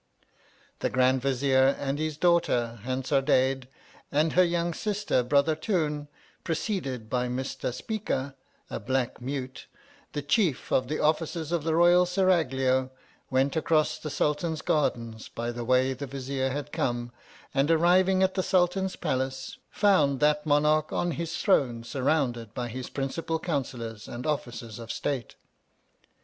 The Grand Vizier, and his daughter Han sardadade, and her young sister Brothartoon, preceded by Mistaspeeka, a black mute, the Chief of the officers of the royal Seraglio, went across the Sultan's gardens by the way the Vizier had come, and arriving at the Sultan's palace, found that monarch on his throne surrounded by his principal counsellors and officers of state.